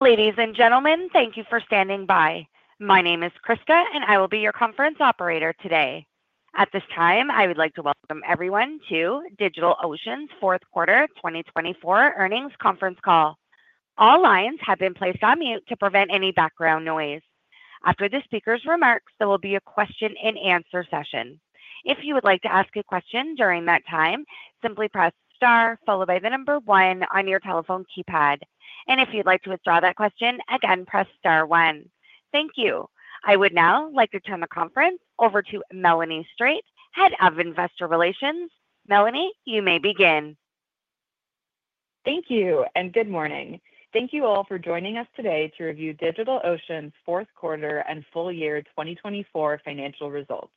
Ladies and gentlemen, thank you for standing by. My name is Krista, and I will be your conference operator today. At this time, I would like to welcome everyone to DigitalOcean's Q4 2024 Earnings Conference Call. All lines have been placed on mute to prevent any background noise. After the speaker's remarks, there will be a question-and-answer session. If you would like to ask a question during that time, simply press star followed by the number one on your telephone keypad. And if you'd like to withdraw that question, again, press star one. Thank you. I would now like to turn the conference over to Melanie Strate, Head of Investor Relations. Melanie, you may begin. Thank you, and good morning. Thank you all for joining us today to review DigitalOcean's Q4 and Full Year 2024 Financial results.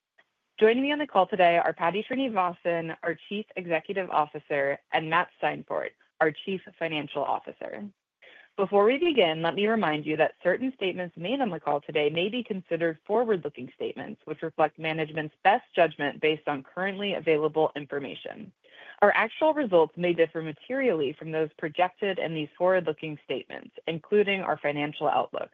Joining me on the call today are Paddy Srinivasan, our Chief Executive Officer, and Matt Steinfort, our Chief Financial Officer. Before we begin, let me remind you that certain statements made on the call today may be considered forward-looking statements, which reflect management's best judgment based on currently available information. Our actual results may differ materially from those projected in these forward-looking statements, including our financial outlook.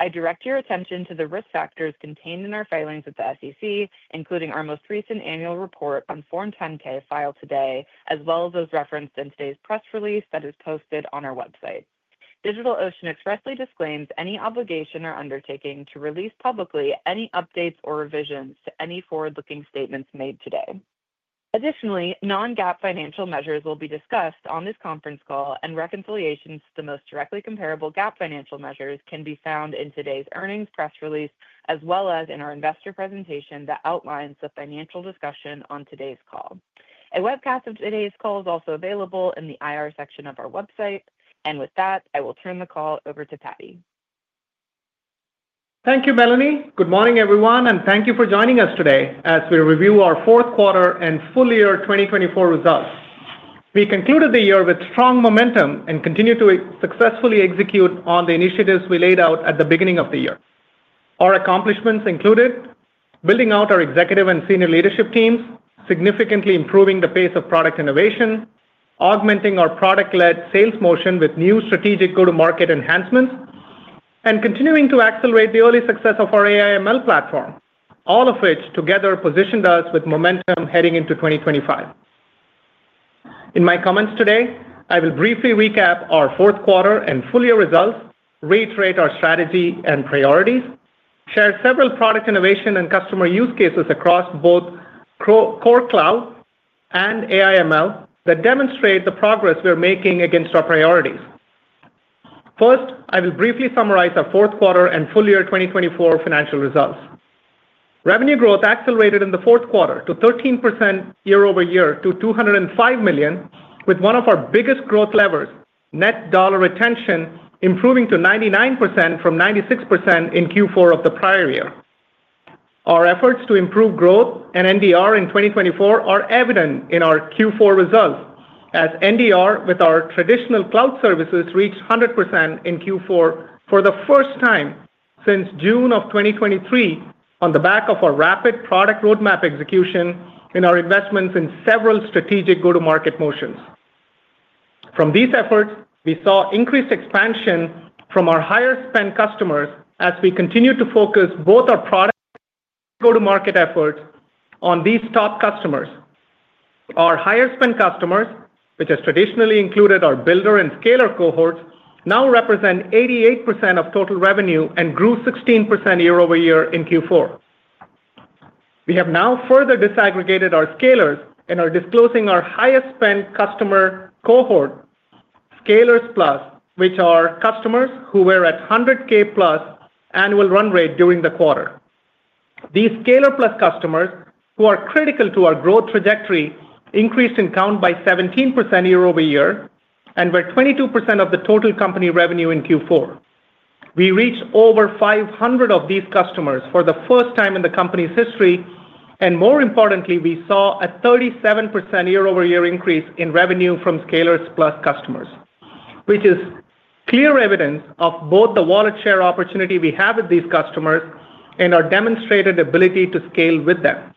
I direct your attention to the risk factors contained in our filings with the SEC, including our most recent annual report on Form 10-K filed today, as well as those referenced in today's press release that is posted on our website. DigitalOcean expressly disclaims any obligation or undertaking to release publicly any updates or revisions to any forward-looking statements made today. Additionally, non-GAAP financial measures will be discussed on this conference call, and reconciliations to the most directly comparable GAAP financial measures can be found in today's earnings press release, as well as in our investor presentation that outlines the financial discussion on today's call. A webcast of today's call is also available in the IR section of our website, and with that, I will turn the call over to Paddy. Thank you, Melanie. Good morning, everyone, and thank you for joining us today as we review our Q4 and full year 2024 results. We concluded the year with strong momentum and continue to successfully execute on the initiatives we laid out at the beginning of the year. Our accomplishments included building out our executive and senior leadership teams, significantly improving the pace of product innovation, augmenting our product-led sales motion with new strategic go-to-market enhancements, and continuing to accelerate the early success of our AI/ML platform, all of which together positioned us with momentum heading into 2025. In my comments today, I will briefly recap our Q4 and full year results, reiterate our strategy and priorities, share several product innovation and customer use cases across both Core Cloud and AI/ML that demonstrate the progress we're making against our priorities. First, I will briefly summarize our Q4 and full year 2024 financial results. Revenue growth accelerated in the Q4 to 13% year-over-year to $205 million, with one of our biggest growth levers, net dollar retention, improving to 99% from 96% in Q4 of the prior year. Our efforts to improve growth and NDR in 2024 are evident in our Q4 results, as NDR with our traditional cloud services reached 100% in Q4 for the first time since June of 2023, on the back of our rapid product roadmap execution and our investments in several strategic go-to-market motions. From these efforts, we saw increased expansion from our higher-spend customers as we continued to focus both our product go-to-market efforts on these top customers. Our higher-spend customers, which has traditionally included our builder and scaler cohorts, now represent 88% of total revenue and grew 16% year-over-year in Q4. We have now further disaggregated our Scalers and are disclosing our highest-spend customer cohort, Scalers Plus, which are customers who were at 100K plus annual run rate during the. These Scalers Plus customers, who are critical to our growth trajectory, increased in count by 17% year-over-year and were 22% of the total company revenue in Q4. We reached over 500 of these customers for the first time in the company's history, and more importantly, we saw a 37% year-over-year increase in revenue from Scalers Plus customers, which is clear evidence of both the wallet share opportunity we have with these customers and our demonstrated ability to scale with them.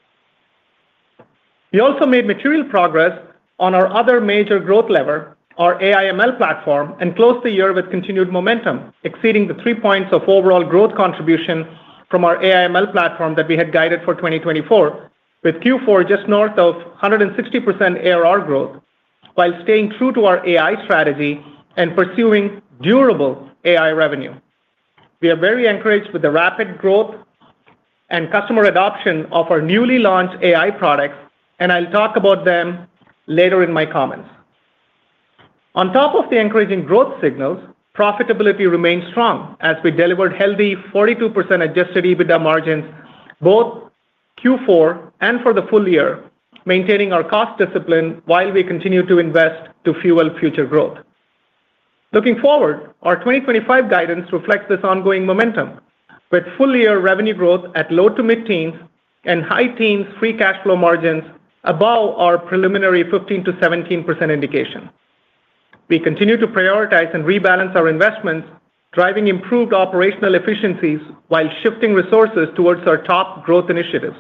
We also made material progress on our other major growth lever, our AI/ML platform, and closed the year with continued momentum, exceeding the three points of overall growth contribution from our AI/ML platform that we had guided for 2024, with Q4 just north of 160% ARR growth, while staying true to our AI strategy and pursuing durable AI revenue. We are very encouraged with the rapid growth and customer adoption of our newly launched AI products, and I'll talk about them later in my comments. On top of the encouraging growth signals, profitability remained strong as we delivered healthy 42% Adjusted EBITDA margins both Q4 and for the full year, maintaining our cost discipline while we continue to invest to fuel future growth. Looking forward, our 2025 guidance reflects this ongoing momentum, with full year revenue growth at low- to mid-teens and high-teens free cash flow margins above our preliminary 15%-17% indication. We continue to prioritize and rebalance our investments, driving improved operational efficiencies while shifting resources towards our top growth initiatives.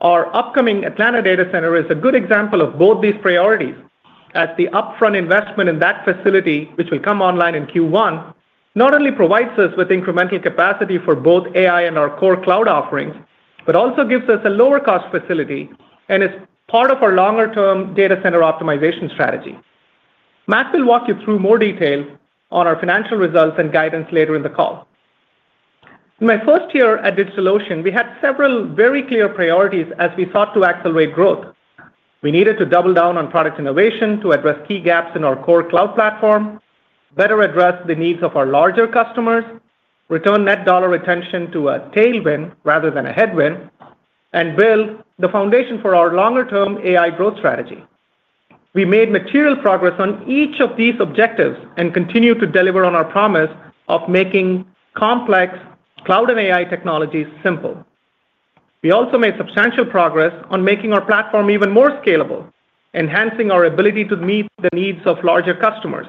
Our upcoming Atlanta data center is a good example of both these priorities, as the upfront investment in that facility, which will come online in Q1, not only provides us with incremental capacity for both AI and our core cloud offerings, but also gives us a lower-cost facility and is part of our longer-term data center optimization strategy. Matt will walk you through more detail on our financial results and guidance later in the call. In my first year at DigitalOcean, we had several very clear priorities as we sought to accelerate growth. We needed to double down on product innovation to address key gaps in our core cloud platform, better address the needs of our larger customers, return net dollar retention to a tailwind rather than a headwind, and build the foundation for our longer-term AI growth strategy. We made material progress on each of these objectives and continue to deliver on our promise of making complex cloud and AI technologies simple. We also made substantial progress on making our platform even more scalable, enhancing our ability to meet the needs of larger customers.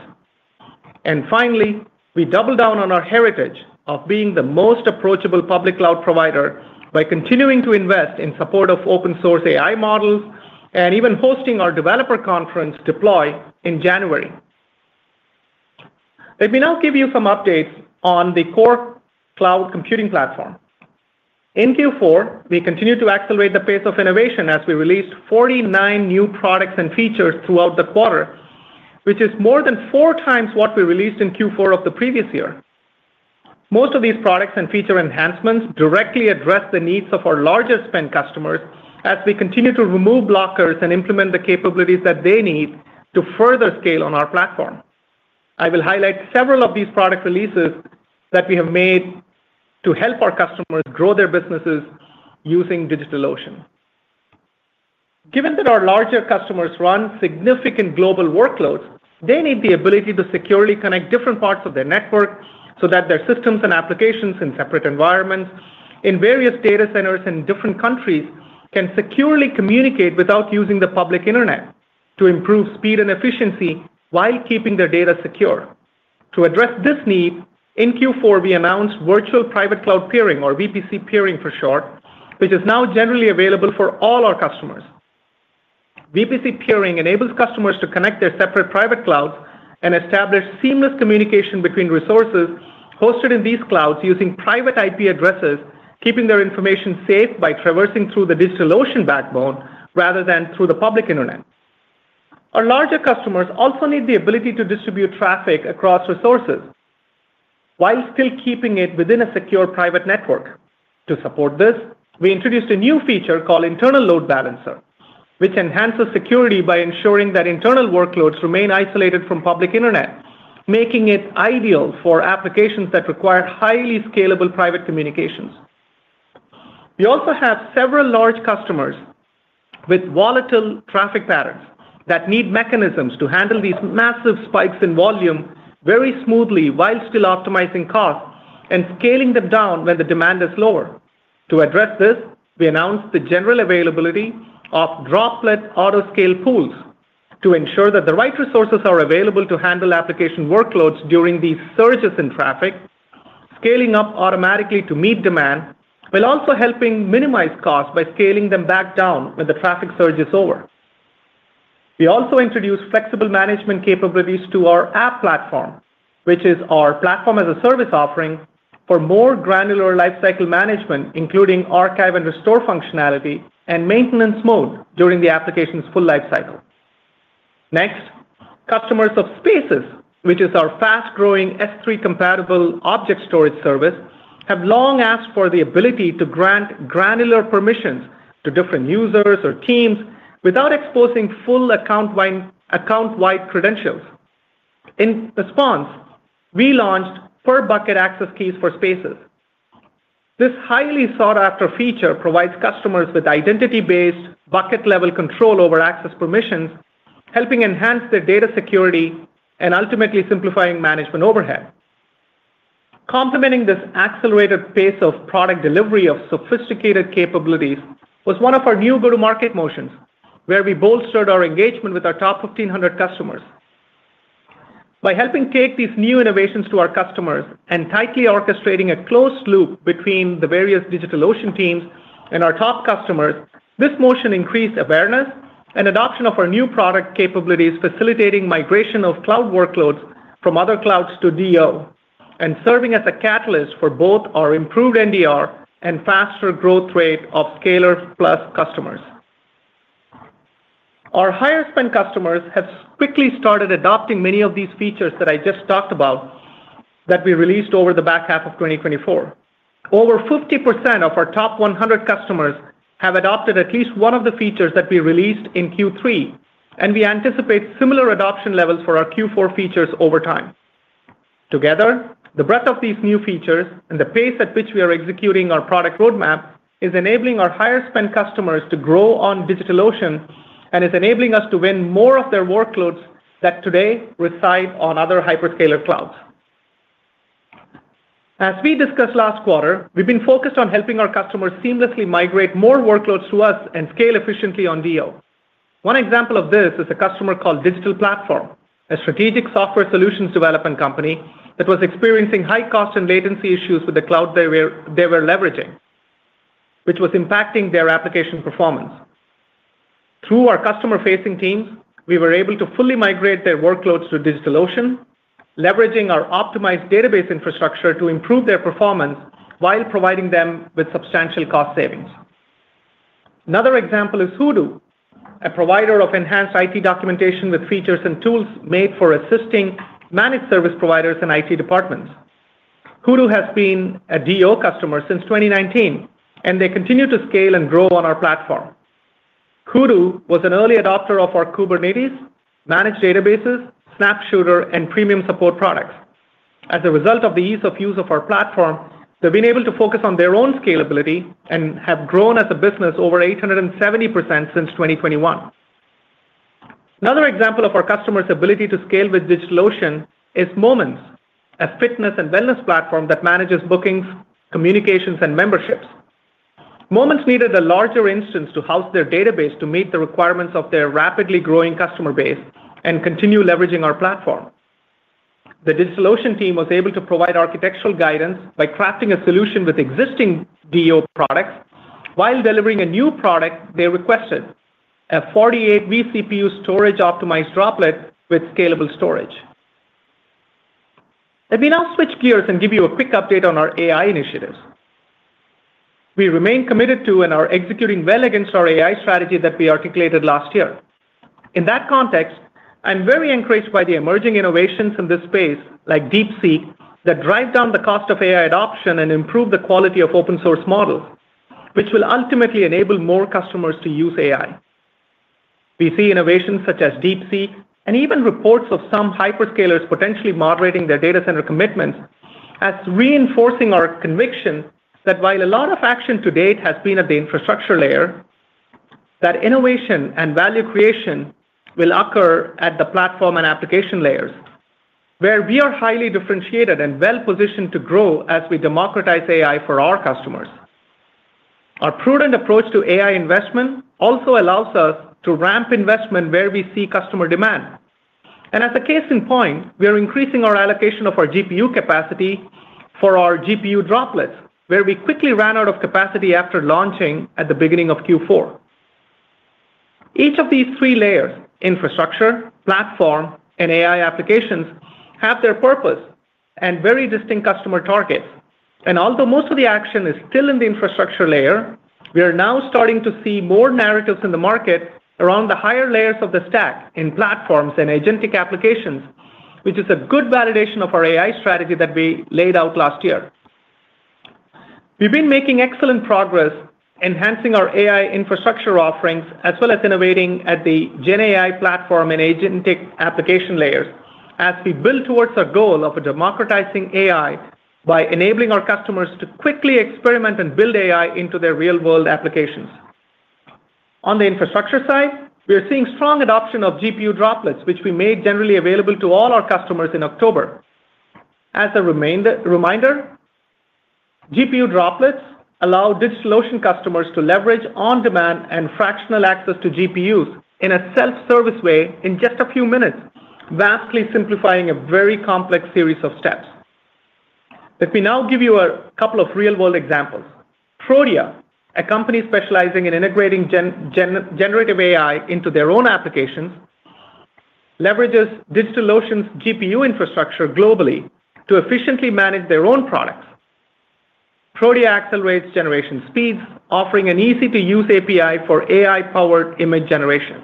And finally, we doubled down on our heritage of being the most approachable public cloud provider by continuing to invest in support of open-source AI models and even hosting our developer conference Deploy in January. Let me now give you some updates on the core cloud computing platform. In Q4, we continue to accelerate the pace of innovation as we released 49 new products and features throughout the quarter, which is more than four times what we released in Q4 of the previous year. Most of these products and feature enhancements directly address the needs of our larger-spend customers as we continue to remove blockers and implement the capabilities that they need to further scale on our platform. I will highlight several of these product releases that we have made to help our customers grow their businesses using DigitalOcean. Given that our larger customers run significant global workloads, they need the ability to securely connect different parts of their network so that their systems and applications in separate environments in various data centers in different countries can securely communicate without using the public internet to improve speed and efficiency while keeping their data secure. To address this need, in Q4, we announced Virtual Private Cloud Peering, or VPC peering for short, which is now generally available for all our customers. VPC peering enables customers to connect their separate private clouds and establish seamless communication between resources hosted in these clouds using private IP addresses, keeping their information safe by traversing through the DigitalOcean backbone rather than through the public internet. Our larger customers also need the ability to distribute traffic across resources while still keeping it within a secure private network. To support this, we introduced a new feature called Internal Load Balancer, which enhances security by ensuring that internal workloads remain isolated from public internet, making it ideal for applications that require highly scalable private communications. We also have several large customers with volatile traffic patterns that need mechanisms to handle these massive spikes in volume very smoothly while still optimizing costs and scaling them down when the demand is lower. To address this, we announced the general availability of Droplet Autoscale Pools to ensure that the right resources are available to handle application workloads during these surges in traffic, scaling up automatically to meet demand, while also helping minimize costs by scaling them back down when the traffic surge is over. We also introduced flexible management capabilities to our App Platform, which is our platform as a service offering for more granular lifecycle management, including archive and restore functionality and maintenance mode during the application's full lifecycle. Next, customers of Spaces, which is our fast-growing S3-compatible object storage service, have long asked for the ability to grant granular permissions to different users or teams without exposing full account-wide credentials. In response, we launched per-bucket access keys for Spaces. This highly sought-after feature provides customers with identity-based bucket-level control over access permissions, helping enhance their data security and ultimately simplifying management overhead. Complementing this accelerated pace of product delivery of sophisticated capabilities was one of our new go-to-market motions, where we bolstered our engagement with our top 1,500 customers. By helping take these new innovations to our customers and tightly orchestrating a closed loop between the various DigitalOcean teams and our top customers, this motion increased awareness and adoption of our new product capabilities, facilitating migration of cloud workloads from other clouds to DO and serving as a catalyst for both our improved NDR and faster growth rate of Scalers Plus customers. Our higher-spend customers have quickly started adopting many of these features that I just talked about that we released over the back half of 2024. Over 50% of our top 100 customers have adopted at least one of the features that we released in Q3, and we anticipate similar adoption levels for our Q4 features over time. Together, the breadth of these new features and the pace at which we are executing our product roadmap is enabling our higher-spend customers to grow on DigitalOcean and is enabling us to win more of their workloads that today reside on other hyperscaler clouds. As we discussed last quarter, we've been focused on helping our customers seamlessly migrate more workloads to us and scale efficiently on DO. One example of this is a customer called Digital Platform, a strategic software solutions development company that was experiencing high cost and latency issues with the cloud they were leveraging, which was impacting their application performance. Through our customer-facing teams, we were able to fully migrate their workloads to DigitalOcean, leveraging our optimized database infrastructure to improve their performance while providing them with substantial cost savings. Another example is Hudu, a provider of enhanced IT documentation with features and tools made for assisting managed service providers and IT departments. Hudu has been a DO customer since 2019, and they continue to scale and grow on our platform. Hudu was an early adopter of our Kubernetes, managed databases, SnapShooter, and premium support products. As a result of the ease of use of our platform, they've been able to focus on their own scalability and have grown as a business over 870% since 2021. Another example of our customer's ability to scale with DigitalOcean is Momence, a fitness and wellness platform that manages bookings, communications, and memberships. Momence needed a larger instance to house their database to meet the requirements of their rapidly growing customer base and continue leveraging our platform. The DigitalOcean team was able to provide architectural guidance by crafting a solution with existing DO products. While delivering a new product, they requested a 48 vCPU Storage-Optimized Droplet with scalable storage. Let me now switch gears and give you a quick update on our AI initiatives. We remain committed to and are executing well against our AI strategy that we articulated last year. In that context, I'm very encouraged by the emerging innovations in this space, like DeepSeek, that drive down the cost of AI adoption and improve the quality of open-source models, which will ultimately enable more customers to use AI. We see innovations such as DeepSeek and even reports of some hyperscalers potentially moderating their data center commitments as reinforcing our conviction that while a lot of action to date has been at the infrastructure layer, that innovation and value creation will occur at the platform and application layers, where we are highly differentiated and well-positioned to grow as we democratize AI for our customers. Our prudent approach to AI investment also allows us to ramp investment where we see customer demand. And as a case in point, we are increasing our allocation of our GPU capacity for our GPU droplets, where we quickly ran out of capacity after launching at the beginning of Q4. Each of these three layers, infrastructure, platform, and AI applications, have their purpose and very distinct customer targets. And although most of the action is still in the infrastructure layer, we are now starting to see more narratives in the market around the higher layers of the stack in platforms and agentic applications, which is a good validation of our AI strategy that we laid out last year. We've been making excellent progress enhancing our AI infrastructure offerings, as well as innovating at the GenAI Platform and agentic application layers as we build towards our goal of democratizing AI by enabling our customers to quickly experiment and build AI into their real-world applications. On the infrastructure side, we are seeing strong adoption of GPU Droplets, which we made generally available to all our customers in October. As a reminder, GPU Droplets allow DigitalOcean customers to leverage on-demand and fractional access to GPUs in a self-service way in just a few minutes, vastly simplifying a very complex series of steps. Let me now give you a couple of real-world examples. Prodia, a company specializing in integrating Generative AI into their own applications, leverages DigitalOcean's GPU infrastructure globally to efficiently manage their own products. Prodia accelerates generation speeds, offering an easy-to-use API for AI-powered image generation.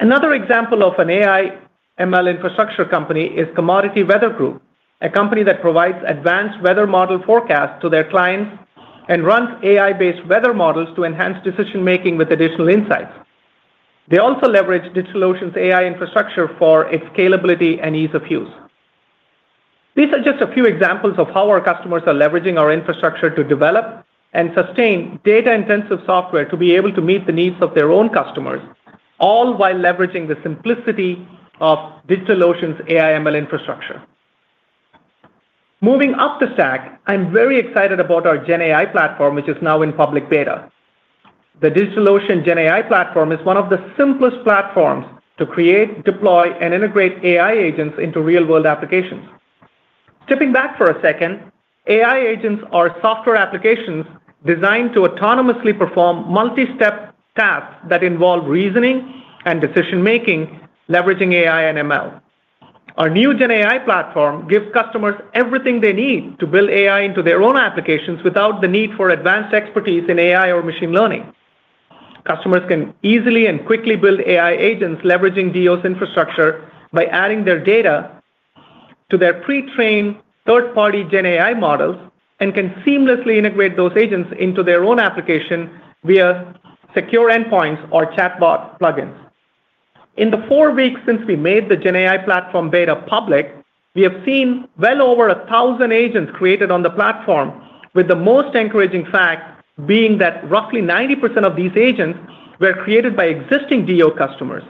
Another example of an AI/ML infrastructure company is Commodity Weather Group, a company that provides advanced weather model forecasts to their clients and runs AI-based weather models to enhance decision-making with additional insights. They also leverage DigitalOcean's AI infrastructure for its scalability and ease of use. These are just a few examples of how our customers are leveraging our infrastructure to develop and sustain data-intensive software to be able to meet the needs of their own customers, all while leveraging the simplicity of DigitalOcean's AI/ML infrastructure. Moving up the stack, I'm very excited about our GenAI Platform, which is now in public beta. The DigitalOcean GenAI Platform is one of the simplest platforms to create, deploy, and integrate AI agents into real-world applications. Stepping back for a second, AI agents are software applications designed to autonomously perform multi-step tasks that involve reasoning and decision-making, leveraging AI and ML. Our new GenAI Platform gives customers everything they need to build AI into their own applications without the need for advanced expertise in AI or machine learning. Customers can easily and quickly build AI agents leveraging DO's infrastructure by adding their data to their pre-trained third-party GenAI models and can seamlessly integrate those agents into their own application via secure endpoints or chatbot plugins. In the four weeks since we made the GenAI platform beta public, we have seen well over 1,000 agents created on the platform, with the most encouraging fact being that roughly 90% of these agents were created by existing DO customers,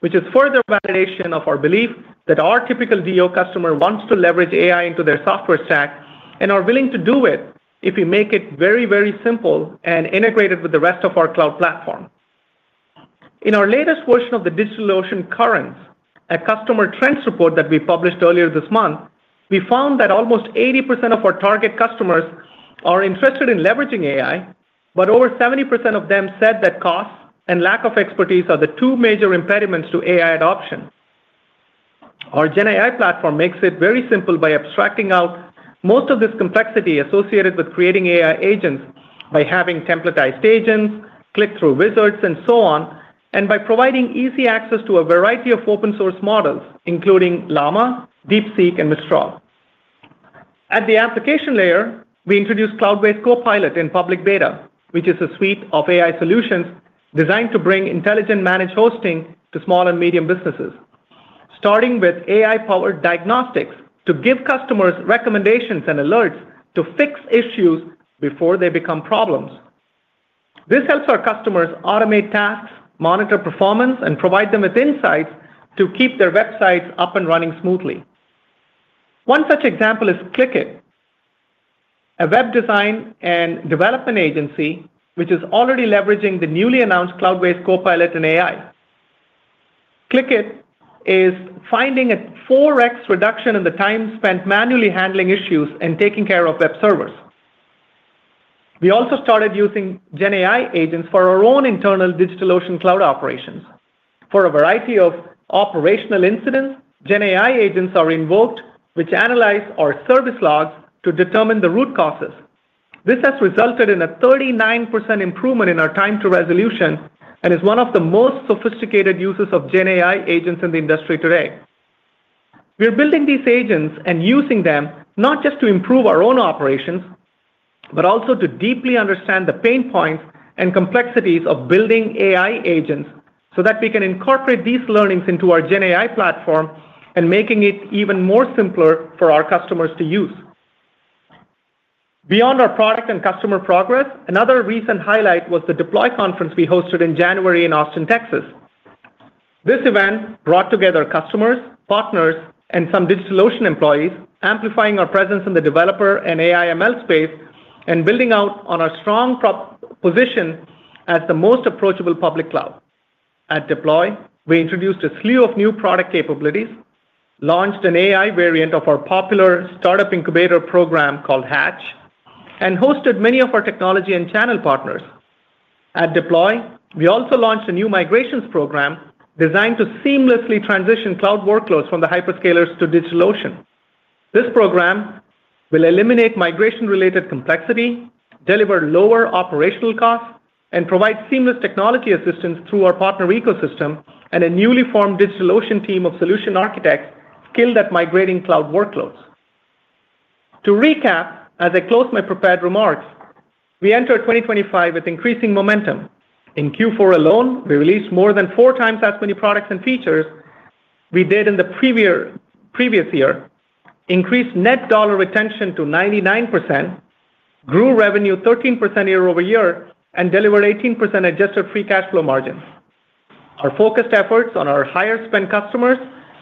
which is further validation of our belief that our typical DO customer wants to leverage AI into their software stack and are willing to do it if we make it very, very simple and integrated with the rest of our cloud platform. In our latest version of the DigitalOcean Currents, a customer trends report that we published earlier this month, we found that almost 80% of our target customers are interested in leveraging AI, but over 70% of them said that costs and lack of expertise are the two major impediments to AI adoption. Our GenAI platform makes it very simple by abstracting out most of this complexity associated with creating AI agents by having templatized agents, click-through wizards, and so on, and by providing easy access to a variety of open-source models, including Llama, DeepSeek, and Mistral. At the application layer, we introduced Cloudways Copilot in public beta, which is a suite of AI solutions designed to bring intelligent managed hosting to small and medium businesses, starting with AI-powered diagnostics to give customers recommendations and alerts to fix issues before they become problems. This helps our customers automate tasks, monitor performance, and provide them with insights to keep their websites up and running smoothly. One such example is ClickIT, a web design and development agency which is already leveraging the newly announced Cloudways Copilot in AI. ClickIT is finding a 4x reduction in the time spent manually handling issues and taking care of web servers. We also started using GenAI agents for our own internal DigitalOcean cloud operations. For a variety of operational incidents, GenAI agents are invoked, which analyze our service logs to determine the root causes. This has resulted in a 39% improvement in our time to resolution and is one of the most sophisticated uses of GenAI agents in the industry today. We are building these agents and using them not just to improve our own operations, but also to deeply understand the pain points and complexities of building AI agents so that we can incorporate these learnings into our GenAI platform and making it even more simpler for our customers to use. Beyond our product and customer progress, another recent highlight was the Deploy Conference we hosted in January in Austin, Texas. This event brought together customers, partners, and some DigitalOcean employees, amplifying our presence in the developer and AI/ML space and building out on our strong position as the most approachable public cloud. At Deploy, we introduced a slew of new product capabilities, launched an AI variant of our popular startup incubator program called Hatch, and hosted many of our technology and channel partners. At Deploy, we also launched a new migrations program designed to seamlessly transition cloud workloads from the hyperScalers to DigitalOcean. This program will eliminate migration-related complexity, deliver lower operational costs, and provide seamless technology assistance through our partner ecosystem and a newly formed DigitalOcean team of solution architects skilled at migrating cloud workloads. To recap, as I close my prepared remarks, we enter 2025 with increasing momentum. In Q4 alone, we released more than four times as many products and features we did in the previous year, increased net dollar retention to 99%, grew revenue 13% year over year, and delivered 18% adjusted free cash flow margin. Our focused efforts on our higher-spend customers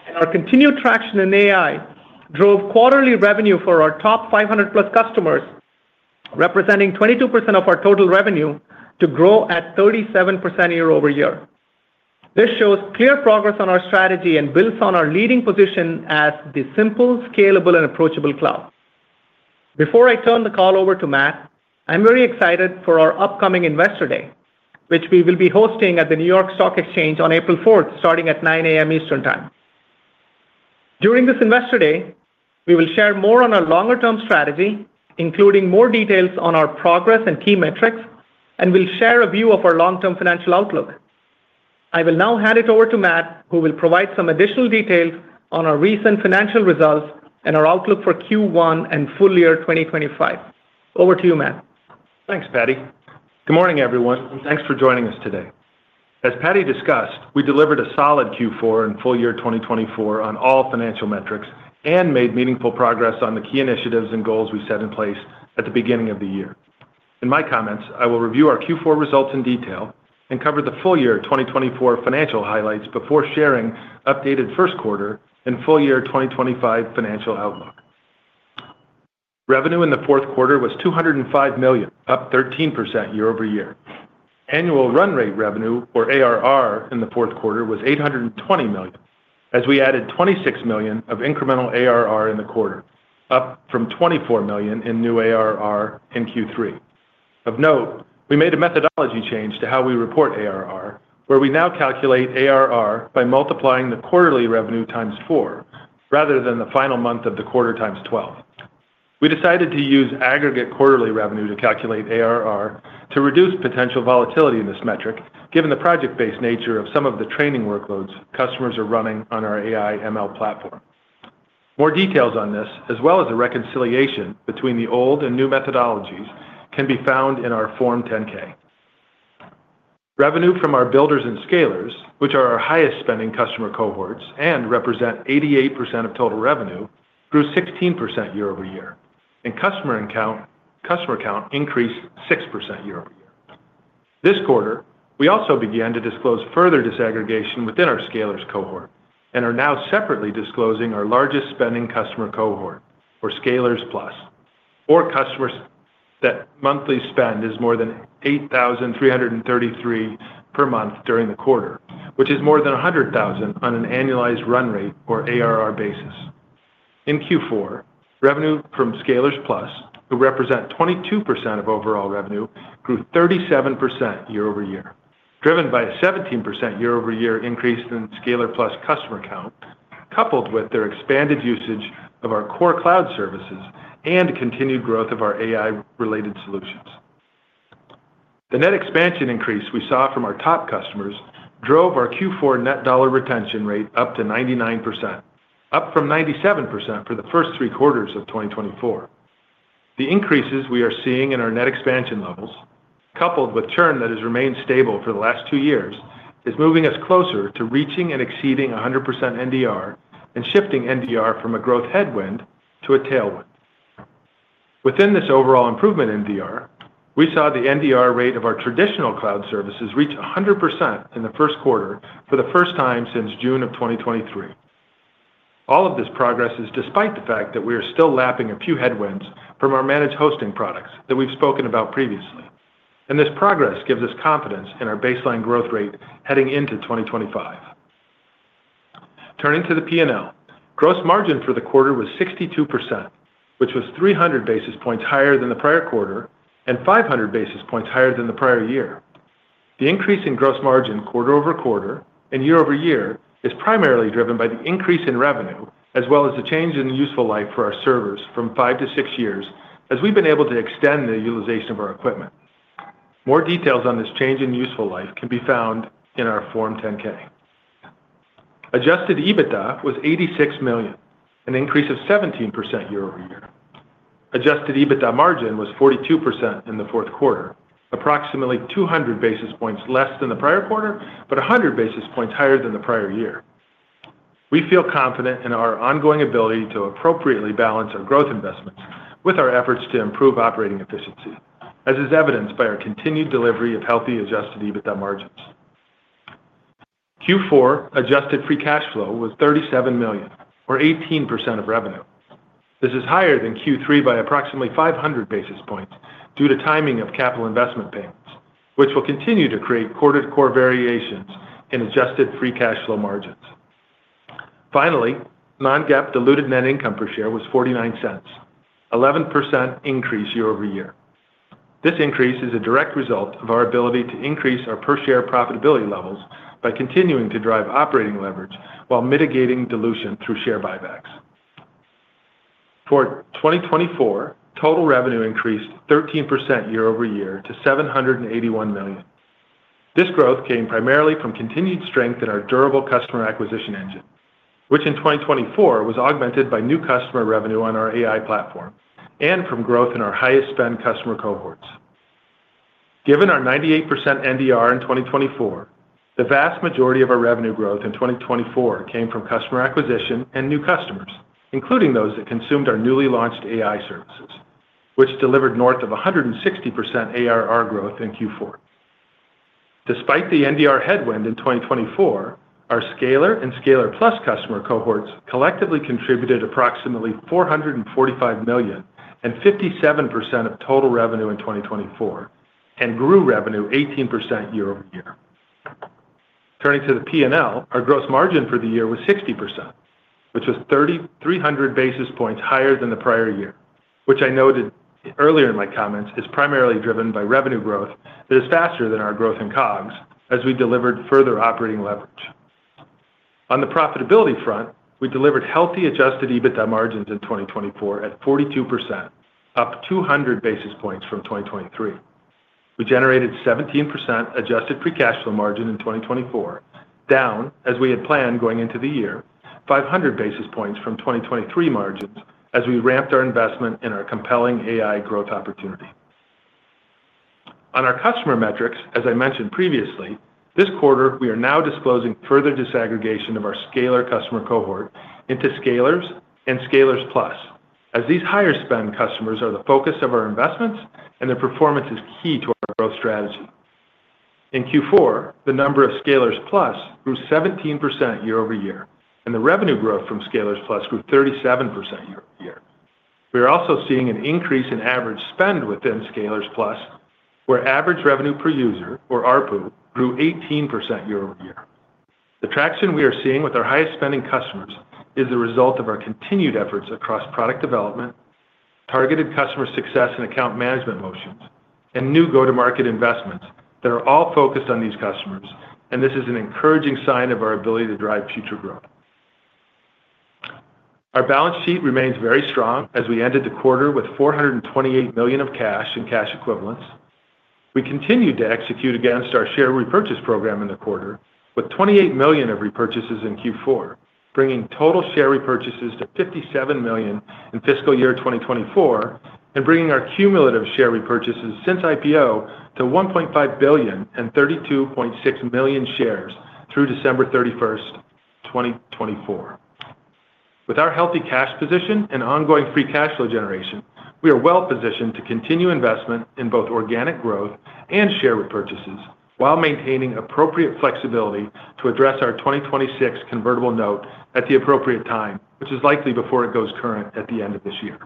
and our continued traction in AI drove quarterly revenue for our top 500-plus customers, representing 22% of our total revenue, to grow at 37% year over year. This shows clear progress on our strategy and builds on our leading position as the simple, scalable, and approachable cloud. Before I turn the call over to Matt, I'm very excited for our upcoming Investor Day, which we will be hosting at the New York Stock Exchange on April 4, starting at 9:00AM Eastern Time. During this Investor Day, we will share more on our longer-term strategy, including more details on our progress and key metrics, and we'll share a view of our long-term financial outlook. I will now hand it over to Matt, who will provide some additional details on our recent financial results and our outlook for Q1 and full year 2025. Over to you, Matt. Thanks, Paddy. Good morning, everyone, and thanks for joining us today. As Paddy discussed, we delivered a solid Q4 and full year 2024 on all financial metrics and made meaningful progress on the key initiatives and goals we set in place at the beginning of the year. In my comments, I will review our Q4 results in detail and cover the full year 2024 financial highlights before sharing updated Q1 and full year 2025 financial outlook. Revenue in the Q4 was $205 million, up 13% year over year. Annual run rate revenue, or ARR, in the Q4 was $820 million, as we added $26 million of incremental ARR in the quarter, up from $24 million in new ARR in Q3. Of note, we made a methodology change to how we report ARR, where we now calculate ARR by multiplying the quarterly revenue times four rather than the final month of the quarter times 12. We decided to use aggregate quarterly revenue to calculate ARR to reduce potential volatility in this metric, given the project-based nature of some of the training workloads customers are running on our AI/ML platform. More details on this, as well as a reconciliation between the old and new methodologies, can be found in our Form 10-K. Revenue from our Builders and Scalers, which are our highest-spending customer cohorts and represent 88% of total revenue, grew 16% year over year, and customer count increased 6% year over year. This quarter, we also began to disclose further disaggregation within our Scalers cohort and are now separately disclosing our largest spending customer cohort, or Scalers plus, for customers that monthly spend is more than $8,333 per month during the quarter, which is more than $100,000 on an annualized run rate, or ARR, basis. In Q4, revenue from Scalers Plus, who represent 22% of overall revenue, grew 37% year over year, driven by a 17% year over year increase in Scalers Plus customer count, coupled with their expanded usage of our core cloud services and continued growth of our AI-related solutions. The net expansion increase we saw from our top customers drove our Q4 net dollar retention rate up to 99%, up from 97% for the first three quarters of 2024. The increases we are seeing in our net expansion levels, coupled with churn that has remained stable for the last two years, is moving us closer to reaching and exceeding 100% NDR and shifting NDR from a growth headwind to a tailwind. Within this overall improvement NDR, we saw the NDR rate of our traditional cloud services reach 100% in the Q1 for the first time since June of 2023. All of this progress is despite the fact that we are still lapping a few headwinds from our managed hosting products that we've spoken about previously, and this progress gives us confidence in our baseline growth rate heading into 2025. Turning to the P&L, gross margin for the quarter was 62%, which was 300 basis points higher than the prior quarter and 500 basis points higher than the prior year. The increase in gross margin quarter over quarter and year over year is primarily driven by the increase in revenue, as well as the change in useful life for our servers from five to six years, as we've been able to extend the utilization of our equipment. More details on this change in useful life can be found in our Form 10-K. Adjusted EBITDA was $86 million, an increase of 17% year over year. Adjusted EBITDA margin was 42% in the Q4, approximately 200 basis points less than the prior quarter, but 100 basis points higher than the prior year. We feel confident in our ongoing ability to appropriately balance our growth investments with our efforts to improve operating efficiency, as is evidenced by our continued delivery of healthy adjusted EBITDA margins. Q4 adjusted free cash flow was $37 million, or 18% of revenue. This is higher than Q3 by approximately 500 basis points due to timing of capital investment payments, which will continue to create quarter-to-quarter variations in adjusted free cash flow margins. Finally, non-GAAP diluted net income per share was $0.49, an 11% increase year over year. This increase is a direct result of our ability to increase our per-share profitability levels by continuing to drive operating leverage while mitigating dilution through share buybacks. For 2024, total revenue increased 13% year over year to $781 million. This growth came primarily from continued strength in our durable customer acquisition engine, which in 2024 was augmented by new customer revenue on our AI platform and from growth in our highest-spend customer cohorts. Given our 98% NDR in 2024, the vast majority of our revenue growth in 2024 came from customer acquisition and new customers, including those that consumed our newly launched AI services, which delivered north of 160% ARR growth in Q4.Despite the NDR headwind in 2024, our Scalers and Scalers Plus customer cohorts collectively contributed approximately $445 million and 57% of total revenue in 2024 and grew revenue 18% year over year. Turning to the P&L, our gross margin for the year was 60%, which was 300 basis points higher than the prior year, which I noted earlier in my comments is primarily driven by revenue growth that is faster than our growth in COGS, as we delivered further operating leverage. On the profitability front, we delivered healthy Adjusted EBITDA margins in 2024 at 42%, up 200 basis points from 2023. We generated 17% Adjusted Free Cash Flow margin in 2024, down, as we had planned going into the year, 500 basis points from 2023 margins as we ramped our investment in our compelling AI growth opportunity. On our customer metrics, as I mentioned previously, this quarter, we are now disclosing further disaggregation of our Scalers customer cohort into Scalers and Scalers Plus, as these higher-spend customers are the focus of our investments, and their performance is key to our growth strategy. In Q4, the number of Scalers Plus grew 17% year over year, and the revenue growth from Scalers Plus grew 37% year over year. We are also seeing an increase in average spend within Scalers Plus, where average revenue per user, or ARPU, grew 18% year over year. The traction we are seeing with our highest-spending customers is the result of our continued efforts across product development, targeted customer success and account management motions, and new go-to-market investments that are all focused on these customers, and this is an encouraging sign of our ability to drive future growth. Our balance sheet remains very strong as we ended the quarter with $428 million of cash and cash equivalents. We continued to execute against our share repurchase program in the quarter, with $28 million of repurchases in Q4, bringing total share repurchases to $57 million in fiscal year 2024 and bringing our cumulative share repurchases since IPO to $1.5 billion and 32.6 million shares through 31 December, 2024. With our healthy cash position and ongoing free cash flow generation, we are well positioned to continue investment in both organic growth and share repurchases while maintaining appropriate flexibility to address our 2026 convertible note at the appropriate time, which is likely before it goes current at the end of this year.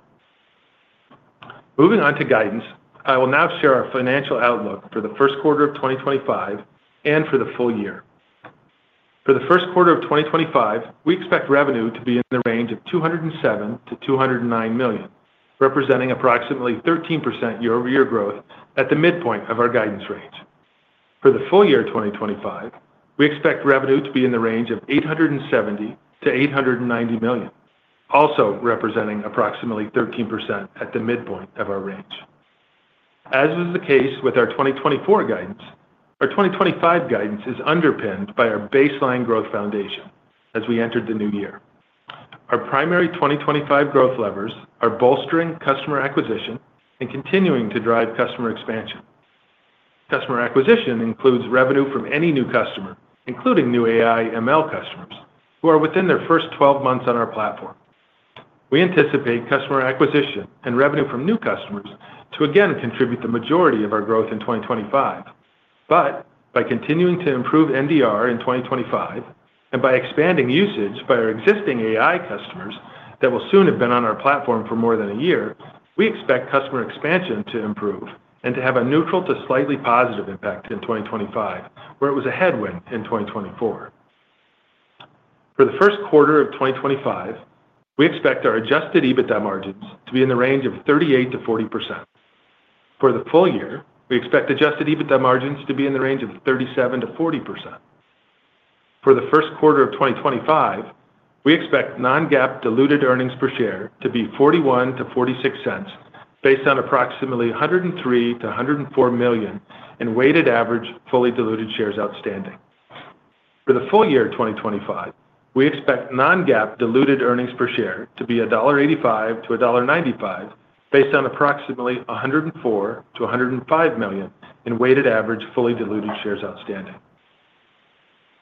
Moving on to guidance, I will now share our financial outlook for the Q1 of 2025 and for the full year. For the Q1 of 2025, we expect revenue to be in the range of $207 to 209 million, representing approximately 13% year over year growth at the midpoint of our guidance range. For the full year 2025, we expect revenue to be in the range of $870 to 890 million, also representing approximately 13% at the midpoint of our range. As was the case with our 2024 guidance, our 2025 guidance is underpinned by our baseline growth foundation as we entered the new year. Our primary 2025 growth levers are bolstering customer acquisition and continuing to drive customer expansion. Customer acquisition includes revenue from any new customer, including new AI/ML customers, who are within their first 12 months on our platform. We anticipate customer acquisition and revenue from new customers to again contribute the majority of our growth in 2025, but by continuing to improve NDR in 2025 and by expanding usage by our existing AI customers that will soon have been on our platform for more than a year, we expect customer expansion to improve and to have a neutral to slightly positive impact in 2025, where it was a headwind in 2024. For the Q1 of 2025, we expect our adjusted EBITDA margins to be in the range of 38% to 40%. For the full year, we expect adjusted EBITDA margins to be in the range of 37% to 40%. For the Q1 of 2025, we expect non-GAAP diluted earnings per share to be $0.41 to 0.46, based on approximately $103 million to 104 million in weighted average fully diluted shares outstanding. For the full year 2025, we expect non-GAAP diluted earnings per share to be $1.85 to 1.95, based on approximately $104 million to 105 million in weighted average fully diluted shares outstanding.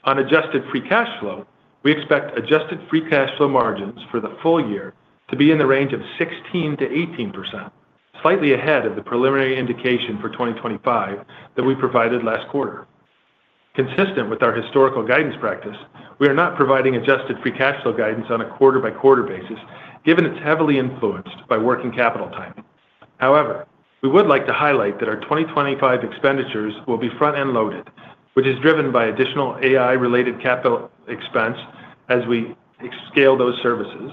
On adjusted free cash flow, we expect adjusted free cash flow margins for the full year to be in the range of 16% to 18%, slightly ahead of the preliminary indication for 2025 that we provided last quarter. Consistent with our historical guidance practice, we are not providing adjusted free cash flow guidance on a quarter-by-quarter basis, given it's heavily influenced by working capital timing. However, we would like to highlight that our 2025 expenditures will be front-end loaded, which is driven by additional AI-related capital expense as we scale those services,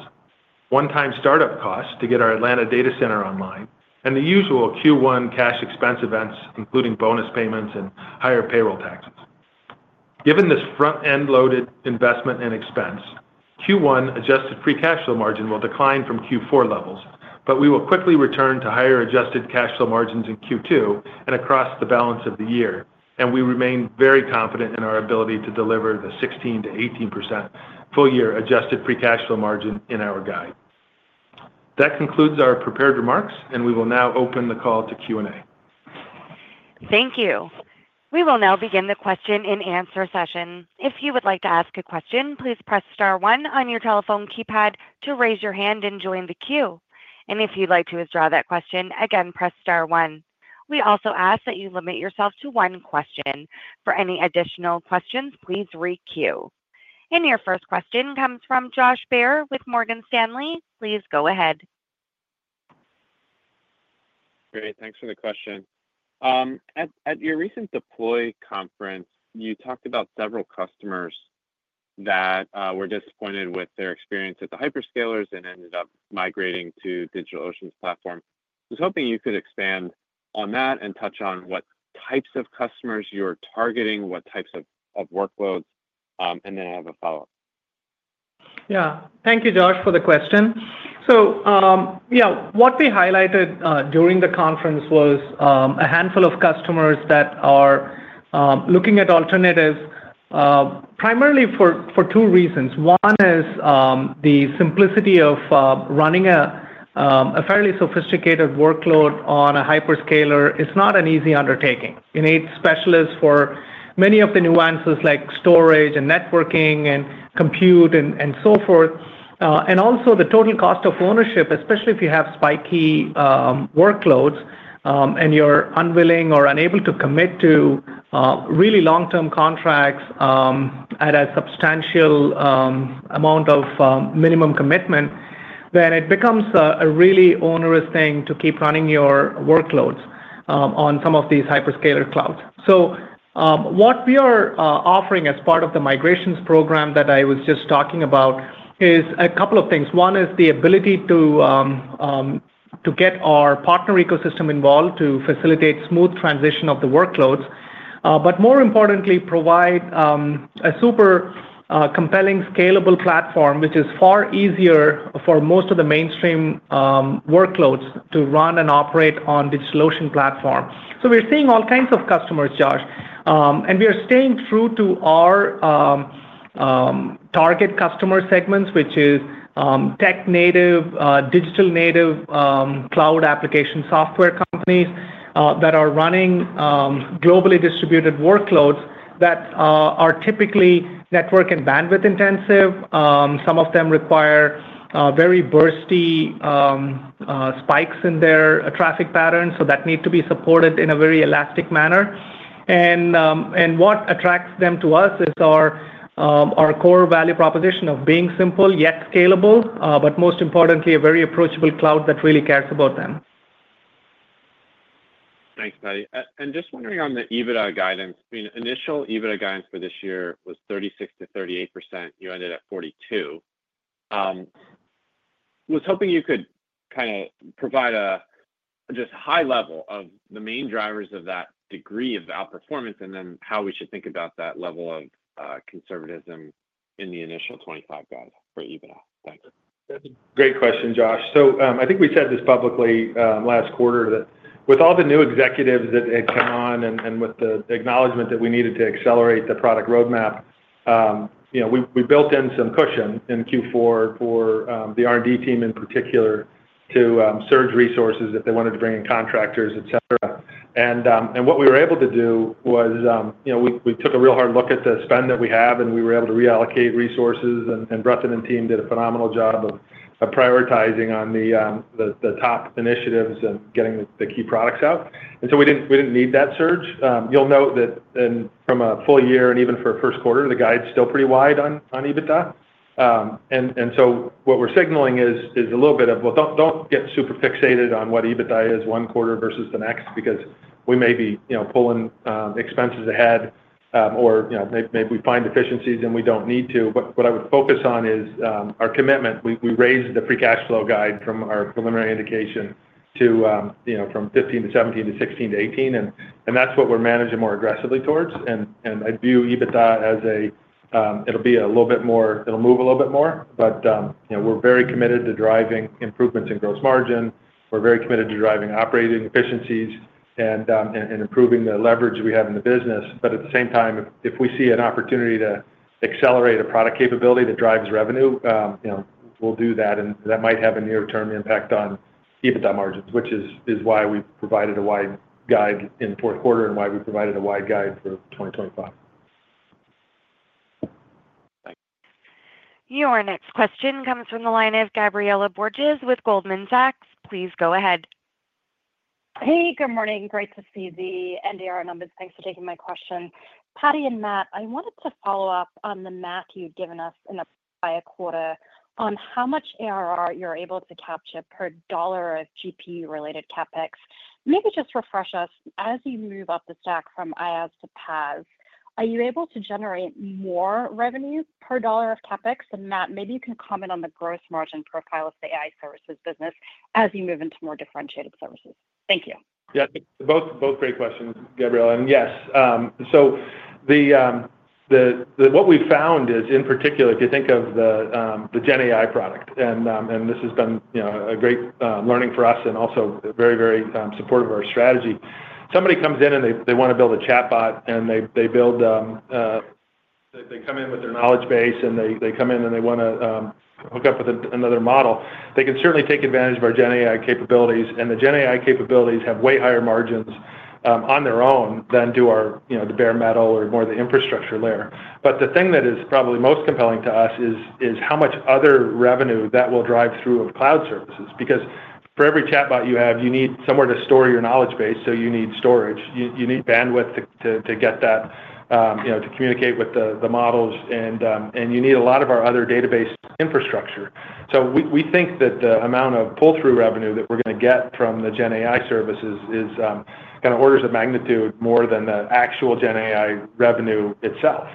one-time startup costs to get our Atlanta data center online, and the usual Q1 cash expense events, including bonus payments and higher payroll taxes. Given this front-end loaded investment and expense, Q1 adjusted free cash flow margin will decline from Q4 levels, but we will quickly return to higher adjusted cash flow margins in Q2 and across the balance of the year, and we remain very confident in our ability to deliver the 16% to 18% full year adjusted free cash flow margin in our guide. That concludes our prepared remarks, and we will now open the call to Q&A. Thank you. We will now begin the question and answer session. If you would like to ask a question, please press star one on your telephone keypad to raise your hand and join the queue. And if you'd like to withdraw that question, again, press star one. We also ask that you limit yourself to one question. For any additional questions, please re-queue. And your first question comes from Josh Baer with Morgan Stanley. Please go ahead. Great. Thanks for the question. At your recent Deploy conference, you talked about several customers that were disappointed with their experience at the hyperScalers and ended up migrating to DigitalOcean's platform. I was hoping you could expand on that and touch on what types of customers you're targeting, what types of workloads, and then I have a follow-up. Yeah. Thank you, Josh, for the question. So yeah, what we highlighted during the conference was a handful of customers that are looking at alternatives primarily for two reasons. One is the simplicity of running a fairly sophisticated workload on a hyperscaler. It's not an easy undertaking. You need specialists for many of the nuances like storage and networking and compute and so forth. And also the total cost of ownership, especially if you have spiky workloads and you're unwilling or unable to commit to really long-term contracts at a substantial amount of minimum commitment, then it becomes a really onerous thing to keep running your workloads on some of these hyperscaler clouds. So what we are offering as part of the migrations program that I was just talking about is a couple of things. One is the ability to get our partner ecosystem involved to facilitate smooth transition of the workloads, but more importantly, provide a super compelling scalable platform, which is far easier for most of the mainstream workloads to run and operate on DigitalOcean platform. We're seeing all kinds of customers, Josh, and we are staying true to our target customer segments, which is tech-native, digital-native, cloud application software companies that are running globally distributed workloads that are typically network and bandwidth intensive. Some of them require very bursty spikes in their traffic patterns, so that need to be supported in a very elastic manner. And what attracts them to us is our core value proposition of being simple yet scalable, but most importantly, a very approachable cloud that really cares about them. Thanks, Mate. And just wondering on the EBITDA guidance. The initial EBITDA guidance for this year was 36% to 38%. You ended at 42%. I was hoping you could kind of provide just a high level of the main drivers of that degree of out-performance and then how we should think about that level of conservatism in the initial 25 guide for EBITDA. Thanks. That's a great question, Josh. So I think we said this publicly last quarter that with all the new executives that had come on and with the acknowledgment that we needed to accelerate the product roadmap, we built in some cushion in Q4 for the R&D team in particular to surge resources if they wanted to bring in contractors, etc. And what we were able to do was we took a real hard look at the spend that we have, and we were able to reallocate resources, and and team did a phenomenal job of prioritizing on the top initiatives and getting the key products out. We didn't need that surge. You'll note that from a full year and even for a Q1, the guide's still pretty wide on EBITDA. What we're signaling is a little bit of, well, don't get super fixated on what EBITDA is one quarter versus the next because we may be pulling expenses ahead or maybe we find efficiencies and we don't need to. What I would focus on is our commitment. We raised the free cash flow guide from our preliminary indication from 15% to 17% to 16% to 18%, and that's what we're managing more aggressively towards. I view EBITDA as it'll be a little bit more; it'll move a little bit more, but we're very committed to driving improvements in gross margin. We're very committed to driving operating efficiencies and improving the leverage we have in the business. But at the same time, if we see an opportunity to accelerate a product capability that drives revenue, we'll do that, and that might have a near-term impact on EBITDA margins, which is why we provided a wide guide in the Q4 and why we provided a wide guide for 2025. Thanks. Your next question comes from the line of Gabriela Borges with Goldman Sachs. Please go ahead. Hey, good morning. Great to see the NDR numbers. Thanks for taking my question. Paddy and Matt, I wanted to follow up on the math you'd given us in the prior quarter on how much ARR you're able to capture per dollar of GPU-related CapEx. Maybe just refresh us as you move up the stack from laaS to PaaS. Are you able to generate more revenue per dollar of CapEx? And Matt, maybe you can comment on the gross margin profile of the AI services business as you move into more differentiated services. Thank you. Yeah. Both great questions, Gabriela. And yes. So what we've found is, in particular, if you think of the GenAI product, and this has been a great learning for us and also very, very supportive of our strategy. Somebody comes in and they want to build a chatbot, and they come in with their knowledge base, and they come in and they want to hook up with another model. They can certainly take advantage of our GenAI capabilities, and the GenAI capabilities have way higher margins on their own than do the bare metal or more of the infrastructure layer. But the thing that is probably most compelling to us is how much other revenue that will drive through of cloud services. Because for every chatbot you have, you need somewhere to store your knowledge base, so you need storage. You need bandwidth to get that to communicate with the models, and you need a lot of our other database infrastructure. So we think that the amount of pull-through revenue that we're going to get from the GenAI services is kind of orders of magnitude more than the actual GenAI revenue itself.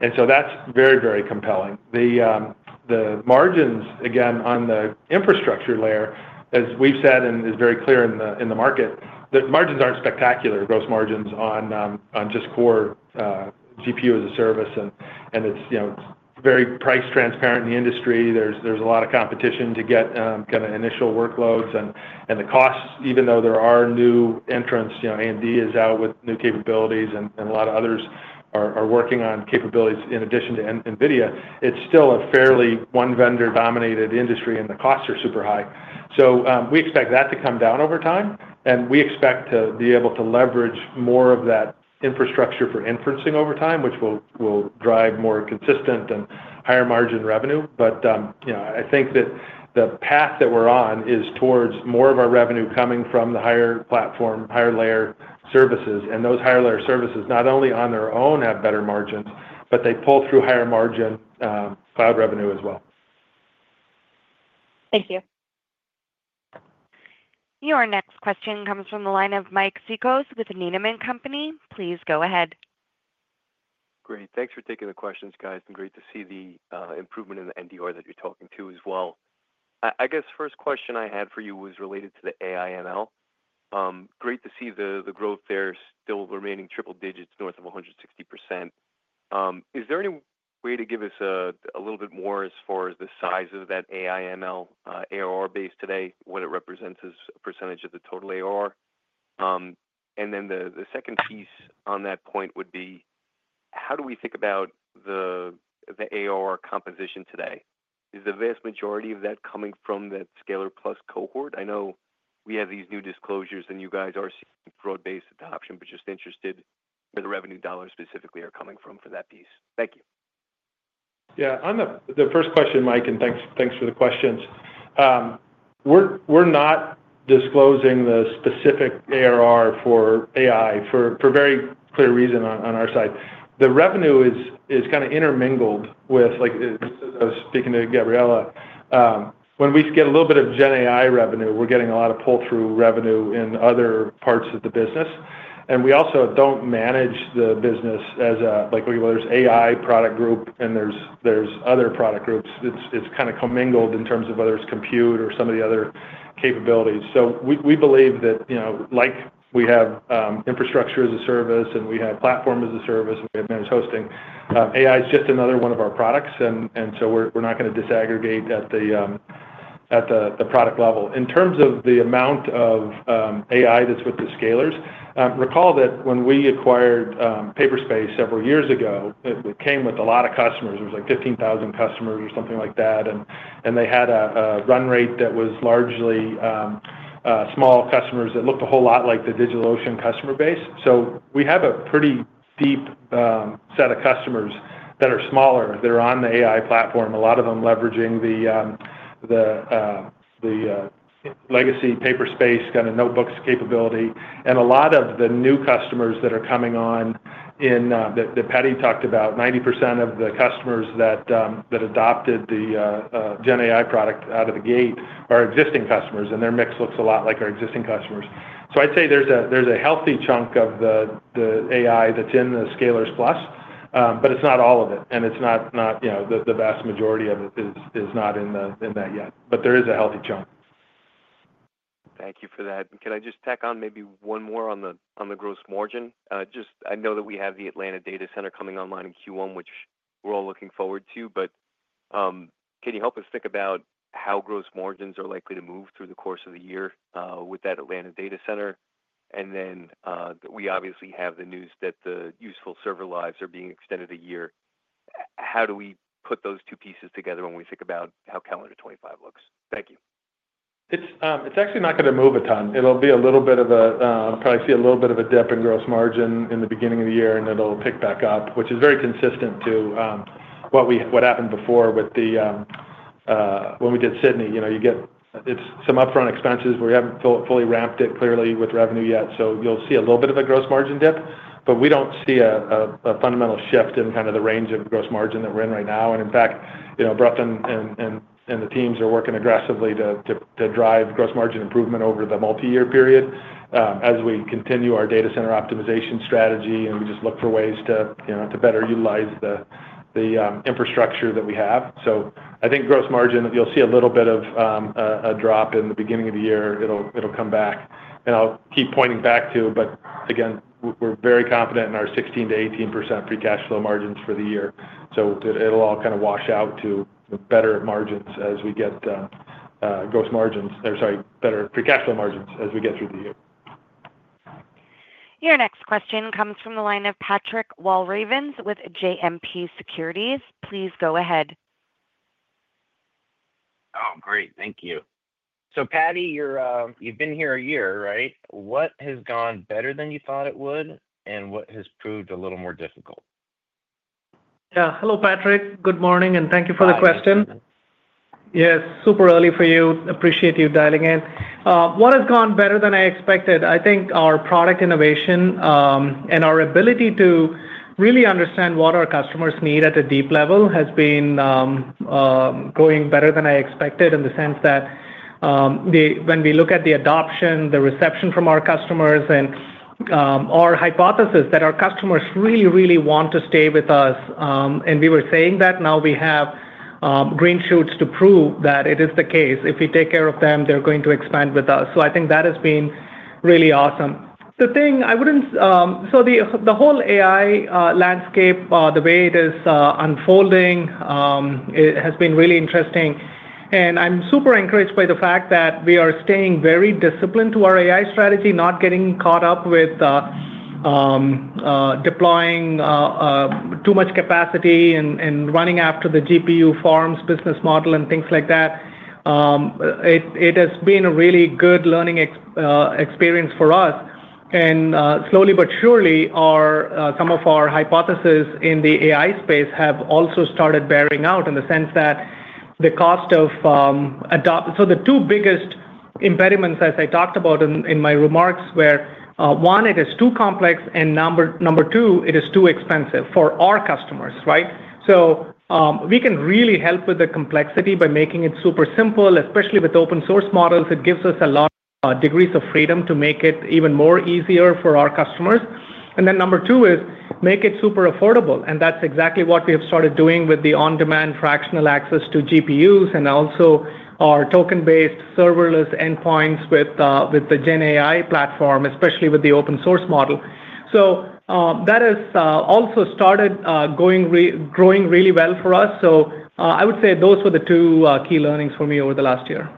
And so that's very, very compelling. The margins, again, on the infrastructure layer, as we've said and is very clear in the market, the margins aren't spectacular, gross margins on just core GPU as a service, and it's very price transparent in the industry. There's a lot of competition to get kind of initial workloads, and the costs, even though there are new entrants, AMD is out with new capabilities, and a lot of others are working on capabilities in addition to NVIDIA, it's still a fairly one-vendor-dominated industry, and the costs are super high. So we expect that to come down over time, and we expect to be able to leverage more of that infrastructure for inferencing over time, which will drive more consistent and higher margin revenue. But I think that the path that we're on is towards more of our revenue coming from the higher platform, higher layer services. And those higher layer services, not only on their own have better margins, but they pull through higher margin cloud revenue as well. Thank you. Your next question comes from the line of Mike Cikos with Needham & Company. Please go ahead. Great. Thanks for taking the questions, guys. And great to see the improvement in the NDR that you're talking to as well. I guess first question I had for you was related to the AI/ML. Great to see the growth there, still remaining triple digits north of 160%. Is there any way to give us a little bit more as far as the size of that AI/ML ARR base today, what it represents as a percentage of the total ARR? And then the second piece on that point would be, how do we think about the ARR composition today? Is the vast majority of that coming from that Scalers Plus cohort? I know we have these new disclosures, and you guys are seeing broad-based adoption, but just interested where the revenue dollars specifically are coming from for that piece. Thank you. Yeah. On the first question, Mike, and thanks for the questions. We're not disclosing the specific ARR for AI for very clear reason on our side. The revenue is kind of intermingled with, as I was speaking to Gabriela, when we get a little bit of GenAI revenue, we're getting a lot of pull-through revenue in other parts of the business. And we also don't manage the business as a, well, there's AI product group, and there's other product groups. It's kind of commingled in terms of whether it's compute or some of the other capabilities. So we believe that like we have infrastructure as a service, and we have platform as a service, and we have managed hosting, AI is just another one of our products, and so we're not going to disaggregate at the product level. In terms of the amount of AI that's with the Scalers, recall that when we acquired Paperspace several years ago, it came with a lot of customers. It was like 15,000 customers or something like that, and they had a run rate that was largely small customers that looked a whole lot like the DigitalOcean customer base. So we have a pretty deep set of customers that are smaller, that are on the AI platform, a lot of them leveraging the legacy Paperspace kind of notebooks capability. And a lot of the new customers that are coming on that Paddy talked about, 90% of the customers that adopted the GenAI product out of the gate are existing customers, and their mix looks a lot like our existing customers. So I'd say there's a healthy chunk of the AI that's in the Scalers Plus, but it's not all of it, and it's not the vast majority of it is not in that yet. But there is a healthy chunk. Thank you for that. And can I just tack on maybe one more on the gross margin? Just I know that we have the Atlanta data center coming online in Q1, which we're all looking forward to, but can you help us think about how gross margins are likely to move through the course of the year with that Atlanta data center? And then we obviously have the news that the useful server lives are being extended a year. How do we put those two pieces together when we think about how calendar 2025 looks? Thank you. It's actually not going to move a ton. It'll be a little bit of a dip in gross margin in the beginning of the year, and it'll pick back up, which is very consistent to what happened before with when we did Sydney. You get some upfront expenses where you haven't fully ramped it clearly with revenue yet, so you'll see a little bit of a gross margin dip, but we don't see a fundamental shift in kind of the range of gross margin that we're in right now, and in fact, Brandon and the teams are working aggressively to drive gross margin improvement over the multi-year period as we continue our data center optimization strategy, and we just look for ways to better utilize the infrastructure that we have, so I think gross margin, you'll see a little bit of a drop in the beginning of the year. It'll come back, and I'll keep pointing back to, but again, we're very confident in our 16%-18% free cash flow margins for the year. So it'll all kind of wash out to better margins as we get gross margins or sorry, better free cash flow margins as we get through the year. Your next question comes from the line of Patrick Walravens with JMP Securities. Please go ahead. Oh, great. Thank you. So Paddy, you've been here a year, right? What has gone better than you thought it would, and what has proved a little more difficult? Yeah. Hello, Patrick. Good morning, and thank you for the question. Yes. Super early for you. Appreciate you dialing in. What has gone better than I expected? I think our product innovation and our ability to really understand what our customers need at a deep level has been going better than I expected in the sense that when we look at the adoption, the reception from our customers, and our hypothesis that our customers really, really want to stay with us, and we were saying that now we have green shoots to prove that it is the case. If we take care of them, they're going to expand with us. So I think that has been really awesome. The thing I would note about the whole AI landscape, the way it is unfolding, it has been really interesting, and I'm super encouraged by the fact that we are staying very disciplined to our AI strategy, not getting caught up with deploying too much capacity and running after the GPU farms business model and things like that. It has been a really good learning experience for us. And slowly but surely, some of our hypotheses in the AI space have also started bearing out in the sense that the cost of so the two biggest impediments, as I talked about in my remarks, where one, it is too complex, and number two, it is too expensive for our customers, right? So we can really help with the complexity by making it super simple, especially with open-source models. It gives us a lot of degrees of freedom to make it even more easier for our customers. And then number two is make it super affordable. And that's exactly what we have started doing with the on-demand fractional access to GPUs and also our token-based serverless endpoints with the GenAI platform, especially with the open-source model. So that has also started growing really well for us. So I would say those were the two key learnings for me over the last year.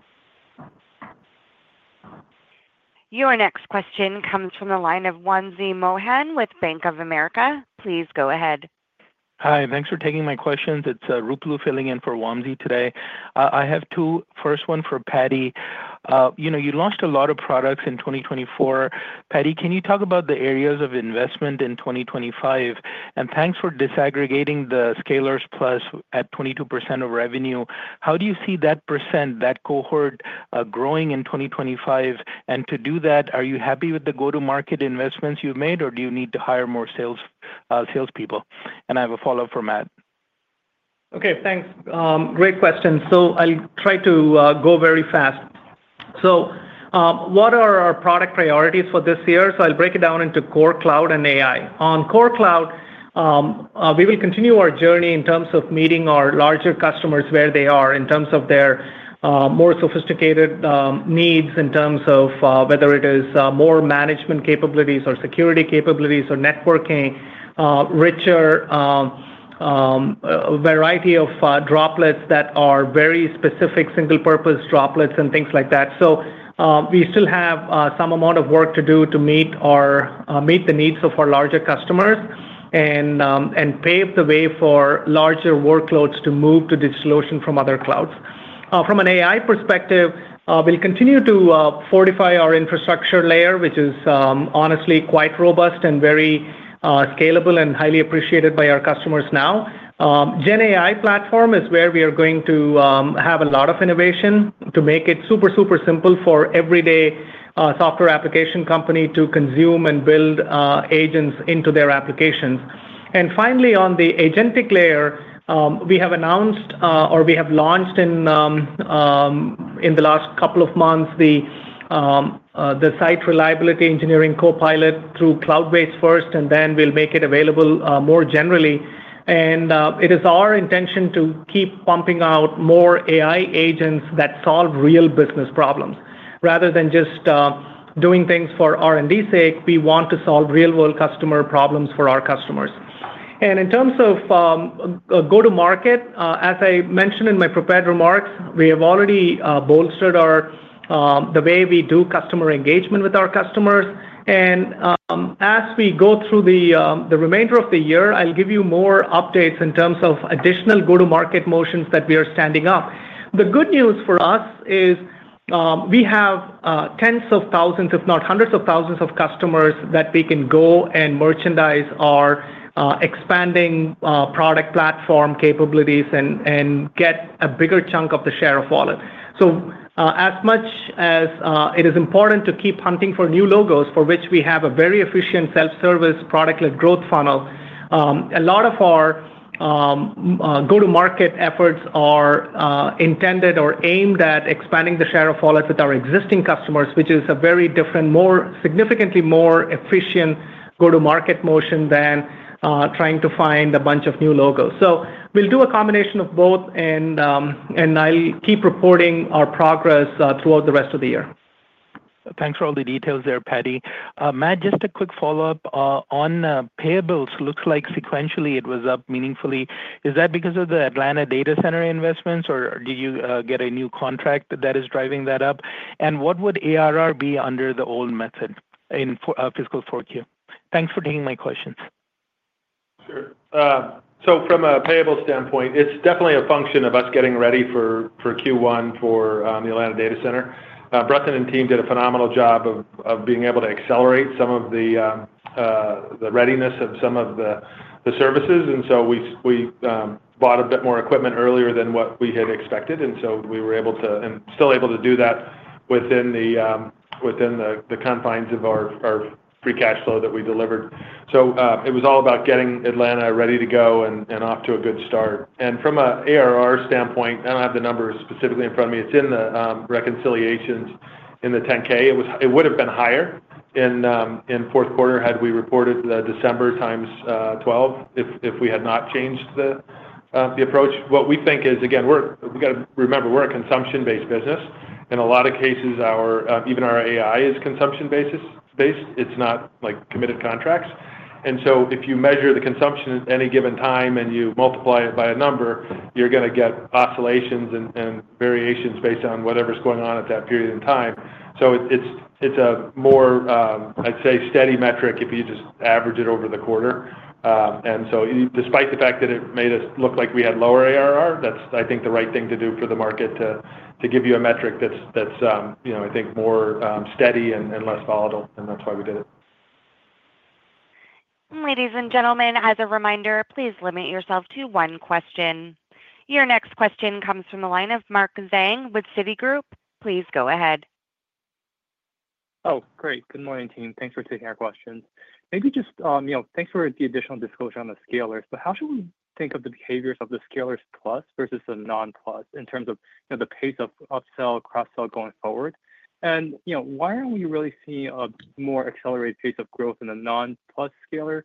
Your next question comes from the line of Wamsi Mohan with Bank of America. Please go ahead. Hi. Thanks for taking my questions. It's Ruplu filling in for Wamsi today. I have two. First one for Paddy. You launched a lot of products in 2024. Paddy, can you talk about the areas of investment in 2025? And thanks for disaggregating the Scalers Plus at 22% of revenue. How do you see that percent, that cohort growing in 2025? And to do that, are you happy with the go-to-market investments you've made, or do you need to hire more salespeople? And I have a follow-up from Matt. Okay. Thanks. Great question. So I'll try to go very fast. So what are our product priorities for this year? So I'll break it down into core cloud and AI. On core cloud, we will continue our journey in terms of meeting our larger customers where they are in terms of their more sophisticated needs, in terms of whether it is more management capabilities or security capabilities or networking, richer variety of Droplets that are very specific single-purpose Droplets and things like that. So we still have some amount of work to do to meet the needs of our larger customers and pave the way for larger workloads to move to DigitalOcean from other clouds. From an AI perspective, we'll continue to fortify our infrastructure layer, which is honestly quite robust and very scalable and highly appreciated by our customers now. GenAI platform is where we are going to have a lot of innovation to make it super, super simple for everyday software application company to consume and build agents into their applications, and finally, on the agentic layer, we have announced or we have launched in the last couple of months the site reliability engineering copilot through Cloudways first, and then we'll make it available more generally. And it is our intention to keep pumping out more AI agents that solve real business problems. Rather than just doing things for R&D's sake, we want to solve real-world customer problems for our customers, and in terms of go-to-market, as I mentioned in my prepared remarks, we have already bolstered the way we do customer engagement with our customers. As we go through the remainder of the year, I'll give you more updates in terms of additional go-to-market motions that we are standing up. The good news for us is we have tens of thousands, if not hundreds of thousands of customers that we can go and merchandise our expanding product platform capabilities and get a bigger chunk of the share of wallet. As much as it is important to keep hunting for new logos for which we have a very efficient self-service product-led growth funnel, a lot of our go-to-market efforts are intended or aimed at expanding the share of wallet with our existing customers, which is a very different, significantly more efficient go-to-market motion than trying to find a bunch of new logos. We'll do a combination of both, and I'll keep reporting our progress throughout the rest of the year. Thanks for all the details there, Paddy. Matt, just a quick follow-up on payables. Looks like sequentially it was up meaningfully. Is that because of the Atlanta data center investments, or did you get a new contract that is driving that up? And what would ARR be under the old method in fiscal 2014? Thanks for taking my questions. Sure. So from a payables standpoint, it's definitely a function of us getting ready for Q1 for the Atlanta data center. Brandon and team did a phenomenal job of being able to accelerate some of the readiness of some of the services, and so we bought a bit more equipment earlier than what we had expected, and so we were able to and still able to do that within the confines of our free cash flow that we delivered. It was all about getting Atlanta ready to go and off to a good start. And from an ARR standpoint, I don't have the numbers specifically in front of me. It's in the reconciliations in the 10-K. It would have been higher in Q4 had we reported the December times 12 if we had not changed the approach. What we think is, again, we've got to remember, we're a consumption-based business. In a lot of cases, even our AI is consumption-based. It's not committed contracts. And so if you measure the consumption at any given time and you multiply it by a number, you're going to get oscillations and variations based on whatever's going on at that period in time. So it's a more, I'd say, steady metric if you just average it over the quarter. And so despite the fact that it made us look like we had lower ARR, that's, I think, the right thing to do for the market to give you a metric that's, I think, more steady and less volatile, and that's why we did it. Ladies and gentlemen, as a reminder, please limit yourself to one question. Your next question comes from the line of Mark Zhang with Citi. Please go ahead. Oh, great. Good morning, team. Thanks for taking our questions. Maybe just thanks for the additional disclosure on the Scalers. But how should we think of the behaviors of the Scalers Plus versus the non-Plus in terms of the pace of upsell, cross-sell going forward? And why aren't we really seeing a more accelerated pace of growth in the non-Plus Scalers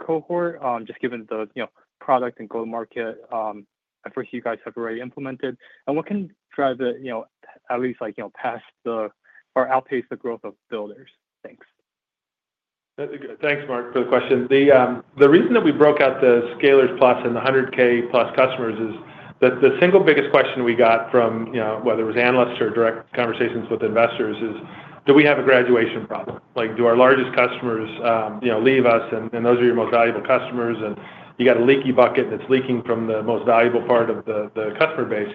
cohort, just given the product and go-to-market efforts you guys have already implemented? What can drive it at least past, or outpace the growth of builders? Thanks. Thanks, Mark, for the question. The reason that we broke out the Scalers Plus and the 100K Plus customers is that the single biggest question we got from whether it was analysts or direct conversations with investors is, do we have a graduation problem? Do our largest customers leave us, and those are your most valuable customers, and you got a leaky bucket, and it's leaking from the most valuable part of the customer base?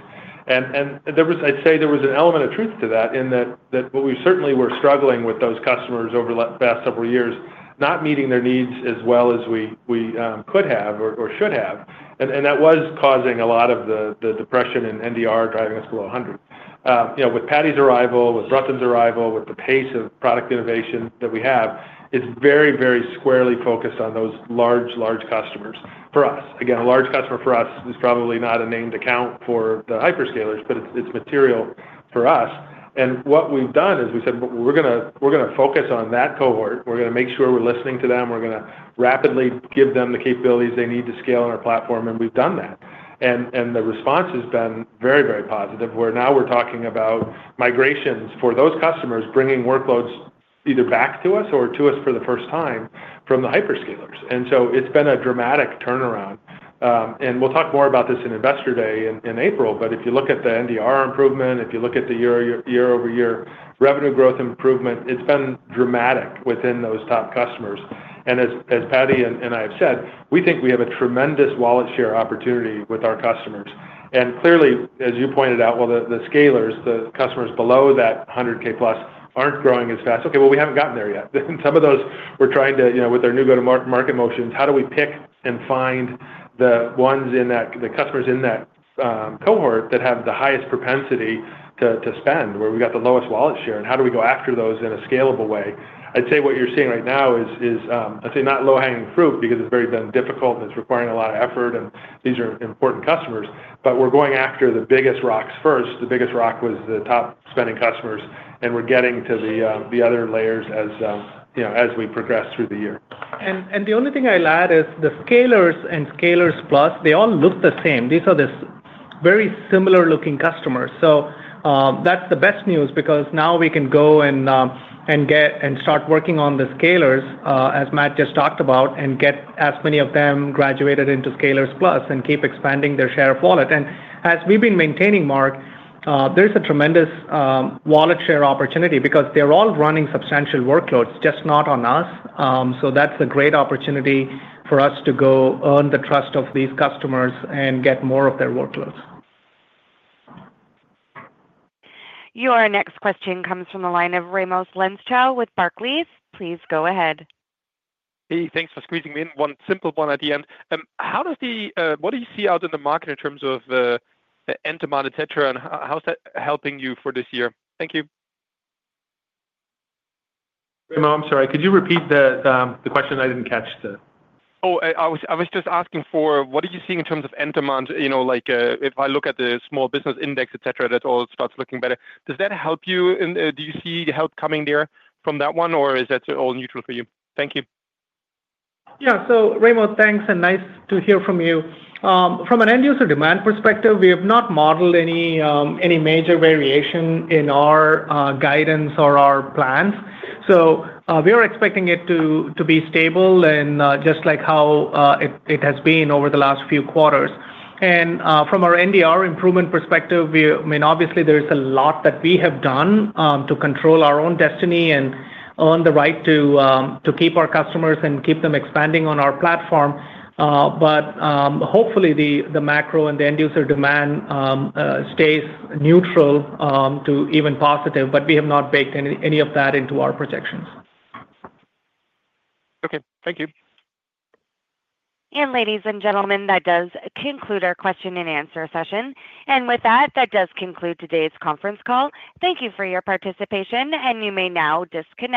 And I'd say there was an element of truth to that in that what we certainly were struggling with those customers over the past several years, not meeting their needs as well as we could have or should have. And that was causing a lot of the depression in NDR driving us below 100. With Paddy's arrival, with Brendan's arrival, with the pace of product innovation that we have, it's very, very squarely focused on those large, large customers for us. Again, a large customer for us is probably not a named account for the hyperScalers, but it's material for us. And what we've done is we said, "We're going to focus on that cohort. We're going to make sure we're listening to them. We're going to rapidly give them the capabilities they need to scale on our platform," and we've done that. And the response has been very, very positive, where now we're talking about migrations for those customers bringing workloads either back to us or to us for the first time from the hyperScalers. And so it's been a dramatic turnaround. We'll talk more about this in Investor Day in April, but if you look at the NDR improvement, if you look at the year-over-year revenue growth improvement, it's been dramatic within those top customers. As Paddy and I have said, we think we have a tremendous wallet share opportunity with our customers. Clearly, as you pointed out, well, the Scalers, the customers below that 100K Plus aren't growing as fast. Okay, well, we haven't gotten there yet. Some of those we're trying to, with their new go-to-market motions, how do we pick and find the ones in that the customers in that cohort that have the highest propensity to spend, where we've got the lowest wallet share, and how do we go after those in a scalable way? I'd say what you're seeing right now is, I'd say, not low-hanging fruit because it's very difficult and it's requiring a lot of effort, and these are important customers, but we're going after the biggest rocks first. The biggest rock was the top spending customers, and we're getting to the other layers as we progress through the year. The only thing I'll add is the Scalers and Scalers Plus, they all look the same. These are the very similar-looking customers. That's the best news because now we can go and get and start working on the Scalers, as Matt just talked about, and get as many of them graduated into Scalers Plus and keep expanding their share of wallet. As we've been maintaining, Mark, there's a tremendous wallet share opportunity because they're all running substantial workloads, just not on us. So that's a great opportunity for us to go earn the trust of these customers and get more of their workloads. Your next question comes from the line of Raimo Lenschow with Barclays. Please go ahead. Hey, thanks for squeezing me in. One simple one at the end. How does the what do you see out in the market in terms of end demand, etc., and how's that helping you for this year? Thank you. Hey, man, sorry. Could you repeat the question? I didn't catch the- Oh, I was just asking for what are you seeing in terms of end demand? If I look at the small business index, etc., that all starts looking better. Does that help you? Do you see help coming there from that one, or is that all neutral for you? Thank you. Yeah. So, Raimo, thanks, and nice to hear from you. From an end-user demand perspective, we have not modeled any major variation in our guidance or our plans, so we are expecting it to be stable and just like how it has been over the last few quarters, and from our NDR improvement perspective, I mean, obviously, there is a lot that we have done to control our own destiny and earn the right to keep our customers and keep them expanding on our platform. But hopefully, the macro and the end-user demand stays neutral to even positive, but we have not baked any of that into our projections. Okay. Thank you And ladies and gentlemen, that does conclude our question and answer session, and with that, that does conclude today's conference call. Thank you for your participation, and you may now disconnect.